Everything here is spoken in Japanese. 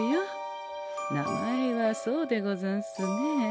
名前はそうでござんすね。